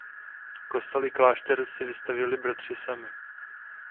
Kostel i klášter si vystavěli bratři sami.